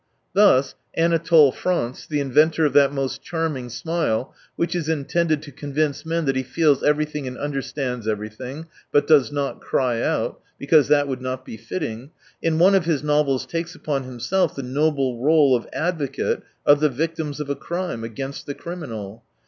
Thus Anatole France, the inventor of that most charming smile which is intended to con vince men that he feels everything and under stands everything, but does not cry out, because that would not be fitting, in one of his novels takes upon himself the noble role of advocate of the victims of a crime, against the criminal.